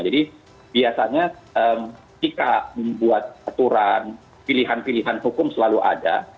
jadi biasanya jika membuat aturan pilihan pilihan hukum selalu ada